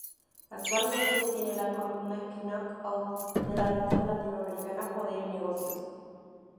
Actualmente tiene la columna "Knock Out" de la revista latinoamericana "Poder y Negocios".